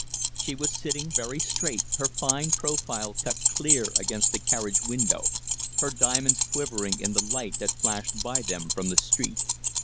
She was sitting very straight, her fine profile cut clear against the carriage window, her diamonds quivering in the light that flashed by them from the street.